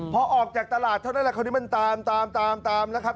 พอออกจากตลาดเท่านั้นคนนี้มันตามนะครับ